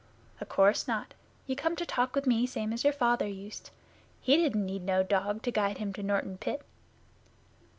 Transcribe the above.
'O' course not. You come to talk with me same as your father used. He didn't need no dog to guide him to Norton Pit.